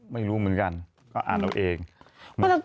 ไม่รู้เหมือนกันก็อ่านเอาเอง